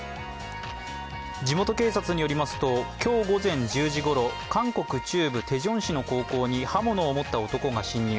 地元警察によりますと今日午前１０時ごろ韓国中部テジョン市の高校に刃物を持った男が侵入。